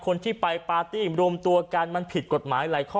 คนที่ไปปาร์ตี้รวมตัวกันมันผิดกฎหมายหลายข้อ